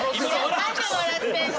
何で笑ってんの？